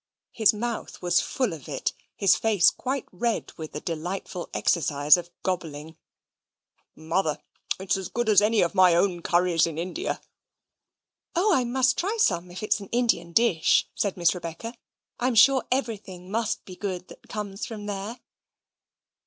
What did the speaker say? His mouth was full of it: his face quite red with the delightful exercise of gobbling. "Mother, it's as good as my own curries in India." "Oh, I must try some, if it is an Indian dish," said Miss Rebecca. "I am sure everything must be good that comes from there."